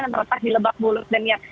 yang terletak di lebak bolus daniel